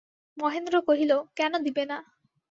মহেন্দ্র কহিল, কেন দিবে না।